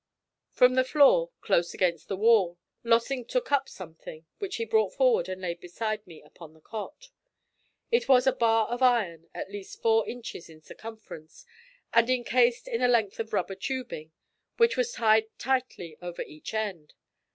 From the floor, close against the wall, Lossing took up something, which he brought forward and laid beside me upon the cot. It was a bar of iron at least four inches in circumference, and incased in a length of rubber tubing, which was tied tightly over each end.